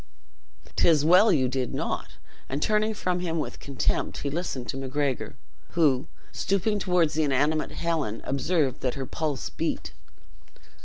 "'Tis well you did not;" and turning from him with contempt, he listened to Macgregor, who, stooping toward the inanimate Helen, observed that her pulse beat.